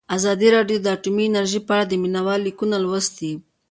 ازادي راډیو د اټومي انرژي په اړه د مینه والو لیکونه لوستي.